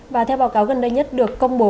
và theo báo cáo gần đây nhất được công bố